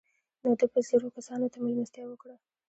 نو ده به زرو کسانو ته مېلمستیا وکړه.